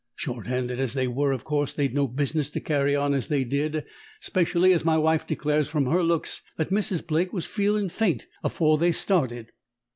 Short handed as they were, of course they'd no business to carry on as they did 'specially as my wife declares from her looks that Mrs. Blake was feelin' faint afore they started.